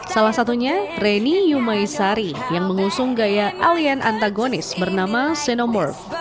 salah satunya reni yumaisari yang mengusung gaya alien antagonis bernama sinomorph